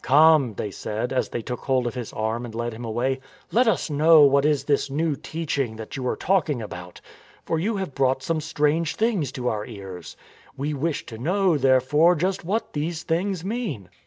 " Come," they said, as they took hold of his arm and led him away, " let us know what is this new teaching that you are talking about. For you have brought some strange things to our ears. We wish to know, therefore, just what these things mean."